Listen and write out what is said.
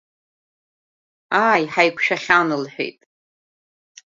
Ааи, ҳаиқәшәахьан, — лҳәеит.